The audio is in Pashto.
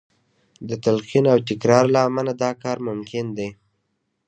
د تلقین او تکرار له امله دا کار ممکن دی